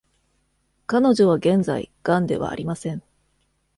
彼女は現在、ガンではありません。